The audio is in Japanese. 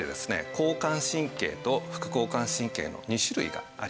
交感神経と副交感神経の２種類があります。